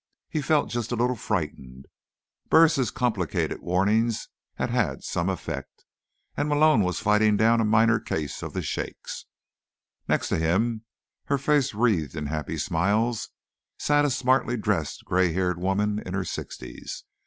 He felt just a little bit frightened. Burris' complicated warnings had had some effect, and Malone was fighting down a minor case of the shakes. Next to him, her face wreathed in happy smiles, sat a smartly dressed grey haired woman in her sixties.